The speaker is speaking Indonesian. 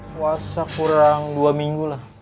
puasa kurang dua minggu lah